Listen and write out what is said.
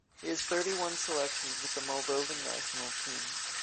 He has thirty-one selections with the Moldovan National Team.